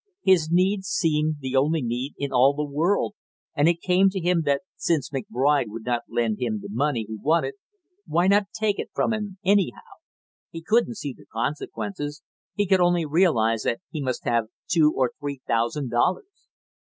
His need seemed the only need in all the world, and it came to him that since McBride would not lend him the money he wanted, why not take it from him anyhow? He couldn't see consequences, he could only realize that he must have two or three thousand dollars!